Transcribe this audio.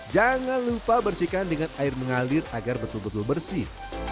jangan lupa bersihkan dengan air mengalir agar betul betul bersih